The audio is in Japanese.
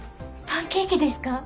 パンケーキですか？